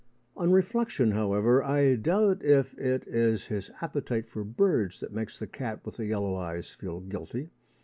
On reflection, however, I doubt if it is his appetite for birds that makes the cat with the yellow eyes feel guilty.